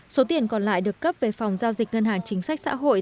số tiền còn lại được cấp về phòng giao dịch ngân hàng chính sách xã hội